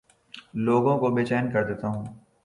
لوگوں کو بے چین کر دیتا ہوں